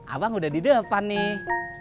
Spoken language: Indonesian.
abang udah di depan nih